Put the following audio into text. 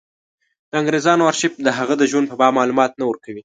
د انګرېزانو ارشیف د هغه د ژوند په باب معلومات نه ورکوي.